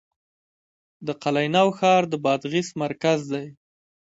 د قلعه نو ښار د بادغیس مرکز دی